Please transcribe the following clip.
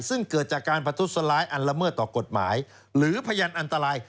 ซึ่งเกิดจากการประทุษร้ายอันละเมิดต่อกฎหมายหรือพยานอันตราย